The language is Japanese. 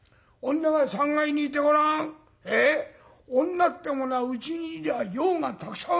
女ってものはうちにいりゃ用がたくさんあるんだよ。